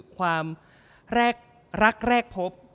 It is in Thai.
ความรักแรกพบ